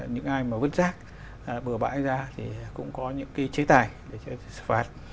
những ai mà vứt rác bừa bãi ra thì cũng có những cái chế tài để xử phạt